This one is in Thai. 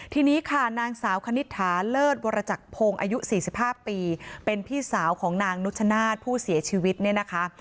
ทีนี้ค่ะนางสาวคณิตถาเลิศวรจักรพงศ์อายุ๔๕ปีเป็นพี่สาวของนางนุชนาธิ์ผู้เสียชีวิตเนี่ยนะคะ